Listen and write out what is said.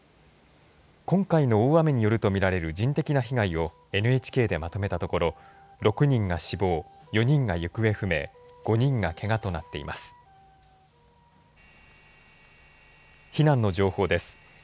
今回の大雨によると見られる人的な被害をＮＨＫでまとめたところ６人が死亡４人が行方不明５人がけがとなっています。